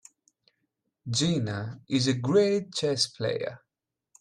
Gina is a great chess player.